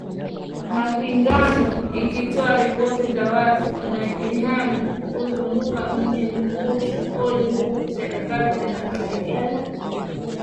mapigano ikitoa ripoti za waasi wanaojihami kuzunguka mji mkuu Tripoli huku serikali zinazopingana zikiwanyima madaraka